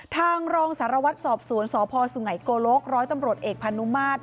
ทางรองสารวัตรสอบสวนสพสุไงโกลกร้อยตำรวจเอกพานุมาตร